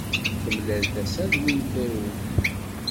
Temlal tasa d win trew.